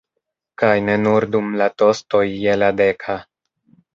Kaj ne nur dum la tostoj je la deka.